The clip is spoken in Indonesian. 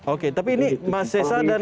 oke tapi ini mas sesa dan